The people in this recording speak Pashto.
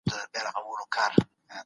نور مي له ورځي څـخــه بـــد راځي